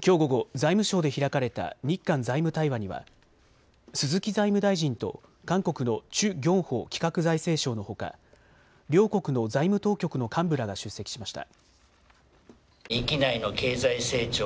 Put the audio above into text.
きょう午後、財務省で開かれた日韓財務対話には鈴木財務大臣と韓国のチュ・ギョンホ企画財政相のほか両国の財務当局の幹部らが出席しました。